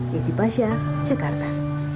yesi basha jakarta